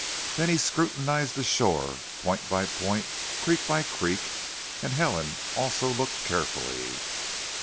Then he scrutinized the shore, point by point, creek by creek, and Helen also looked carefully.